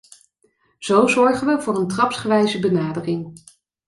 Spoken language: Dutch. Zo zorgen we voor een trapsgewijze benadering.